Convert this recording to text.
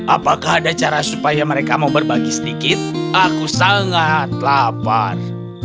apakah ada cara supaya mereka mau berbagi sedikit aku sangat lapar